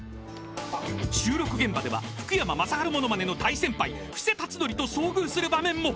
［収録現場では福山雅治モノマネの大先輩布施辰徳と遭遇する場面も］